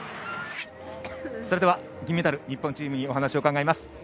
銀メダルの日本チームにお話を伺います。